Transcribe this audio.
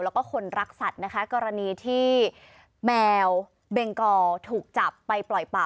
แล้วก็คนรักสัตว์นะคะกรณีที่แมวเบงกอถูกจับไปปล่อยป่า